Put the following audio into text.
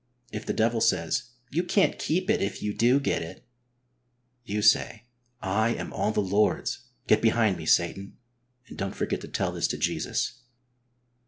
If the devil says :" You can^t keep it if you do get it,*^ you say :'' I am all the Lord's ; get behind me, Satan," and don't forget to tell this to Jesus.